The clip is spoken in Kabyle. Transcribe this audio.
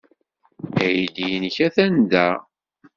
Aydi-nnek atan da.